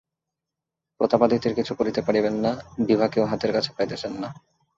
প্রতাপাদিত্যের কিছু করিতে পারিবেন না, বিভাকেও হাতের কাছে পাইতেছেন না।